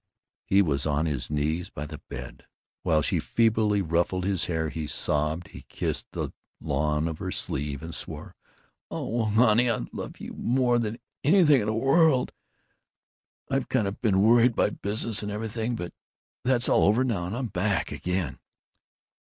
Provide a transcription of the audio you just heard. He was on his knees by the bed. While she feebly ruffled his hair, he sobbed, he kissed the lawn of her sleeve, and swore, "Old honey, I love you more than anything in the world! I've kind of been worried by business and everything, but that's all over now, and I'm back again."